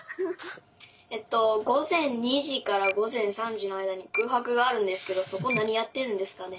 午前２時から午前３時の間に空白があるんですけどそこ何やってるんですかね？